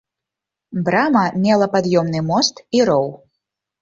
Брама мела пад'ёмны мост і роў.